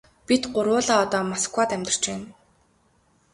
Бид гурвуулаа одоо Москвад амьдарч байна.